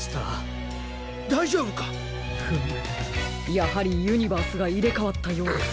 やはりユニバースがいれかわったようです。